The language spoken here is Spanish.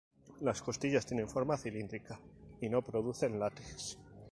Las costillas tienen forma cilíndrica y no producen látex.